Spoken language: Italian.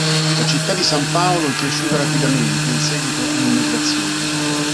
La città di San Paolo è cresciuta rapidamente in seguito a immigrazione.